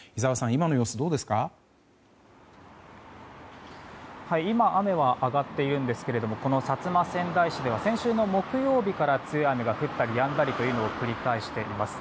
今、雨は上がっているんですがこの薩摩川内市では先週の木曜日から強い雨が降ったりやんだりというのを繰り返しています。